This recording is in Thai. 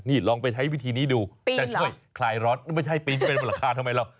นี่ลองไปใช้วิธีนี้ดูจะช่วยคลายร้อนไม่ใช่ปีนขึ้นไปบนหลังคาทำไมเรา